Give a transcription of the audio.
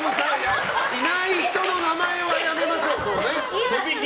いない人の名前はやめましょう！